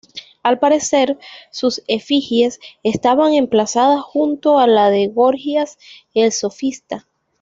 Al parecer, sus efigies estaban emplazadas junto a la de Gorgias el sofista.